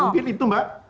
mungkin itu mbak